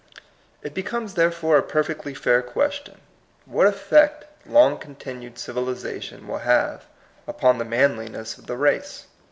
It becomes, therefore, a perfectly fair question, what effect long continued civili zation will have upon the manliness of the race.